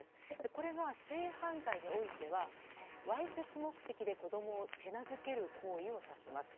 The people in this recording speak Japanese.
これが、性犯罪においてはわいせつ目的で子供を手なずける行為を指します。